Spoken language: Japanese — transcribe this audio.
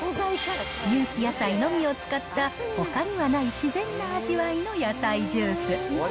有機野菜のみを使った、ほかにはない自然な味わいの野菜ジュース。